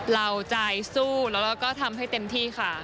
เราใจสู้แล้วก็ทำให้เต็มที่ค่ะ